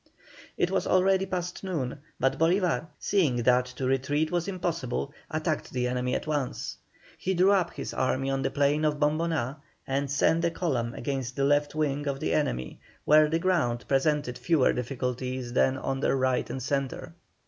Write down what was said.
It was already past noon, but Bolívar seeing that to retreat was impossible, attacked the enemy at once. He drew up his army on the plain of Bomboná, and sent a column against the left wing of the enemy, where the ground presented fewer difficulties than on their right and centre.